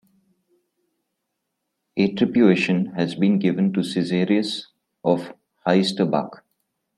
Atribuation has also been given to Caesarius of Heisterbach.